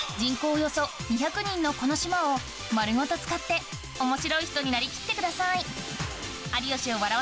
およそ２００人のこの島を丸ごと使って面白い人になりきってください